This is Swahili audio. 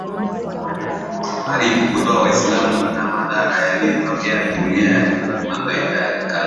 aribu kutoa waislamu na madhara yaliotokea jumuiya ya kimataifa ikalaumu